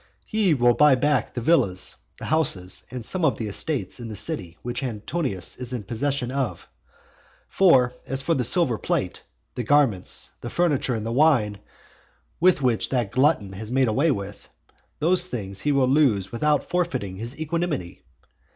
He will buy back the villas, the houses, and some of the estates in the city which Antonius is in possession of. For as for the silver plate, the garments, the furniture, and the wine which that glutton has made away with, those things he will lose without forfeiting his equanimity.